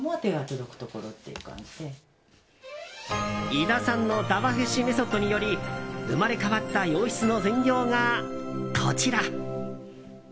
井田さんの「だ・わ・へ・し」メソッドにより生まれ変わった洋室の全容がこちら！